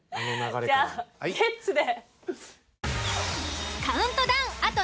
じゃあゲッツで。